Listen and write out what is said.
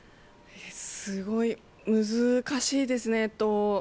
すごい難しいですね。